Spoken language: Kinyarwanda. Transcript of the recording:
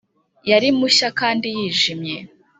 yari mushya kandi yijimye